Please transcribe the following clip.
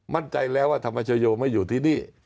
มั่นใจแล้วว่าธรรมชโยไม่อยู่ที่นี่